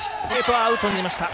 アウトになりました。